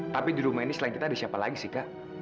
tapi di rumah ini selain kita ada siapa lagi sih kak